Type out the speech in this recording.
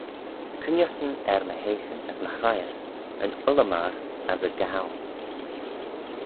Cooinaghtyn er my heaghyn as my hreihys, yn ullymar as y gall.